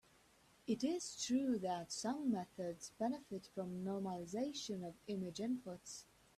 It is true that some methods benefit from normalization of image inputs.